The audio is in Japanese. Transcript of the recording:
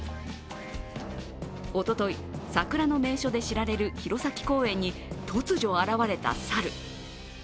おととい、桜の名所で知られる弘前公園に突如現れた猿。